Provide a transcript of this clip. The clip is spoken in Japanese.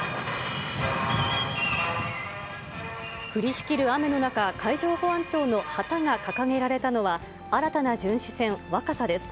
降りしきる雨の中、海上保安庁の旗が掲げられたのは、新たな巡視船わかさです。